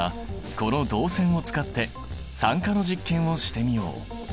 この銅線を使って酸化の実験をしてみよう。